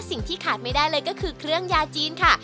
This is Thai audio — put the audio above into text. สิ่งที่ขาดไม่ได้เลยก็คือเครื่องยาจีนค่ะ